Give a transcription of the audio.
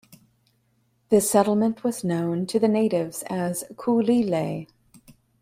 This settlement was known to the natives as "Culilay".